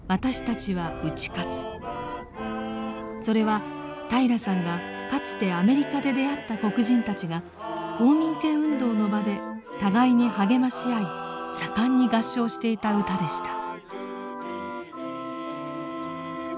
それは平良さんがかつてアメリカで出会った黒人たちが公民権運動の場で互いに励まし合い盛んに合唱していた歌でした。